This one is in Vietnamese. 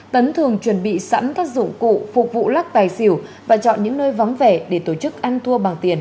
tấn thường chuẩn bị sẵn các dụng cụ phục vụ lắc tài xỉu và chọn những nơi vắng vẻ để tổ chức ăn thua bằng tiền